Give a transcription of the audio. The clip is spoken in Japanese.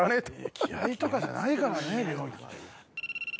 気合とかじゃないからね病気。